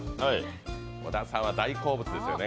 小田さんは大好物ですよね。